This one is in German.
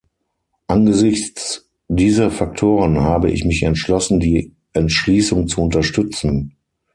Angesichts dieser Faktoren habe ich mich entschlossen, die Entschließung zu unterstützen.